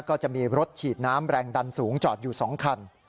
ก็จะมีรถฉีดน้ำแรงดันสูงจอดอยู่๒คัน